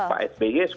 nggak bisa diungkap